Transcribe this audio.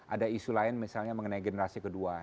ada isu lain misalnya mengenai generasi kedua